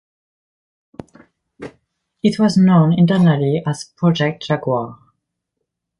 It was known internally as project "Jaguar".